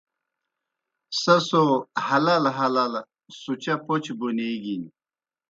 سہ سو ہلَلہ ہلَلہ سُچا پوْچہ بونیگِن۔